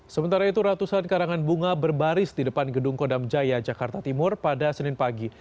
sementara itu ratusan karangan bunga berbaris di depan gedung kodam jaya jakarta timur pada senin pagi